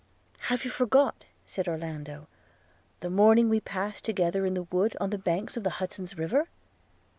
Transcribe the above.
'Have you forgot,' said Orlando, 'the morning we passed together in the wood, on the banks of Hudson's River?'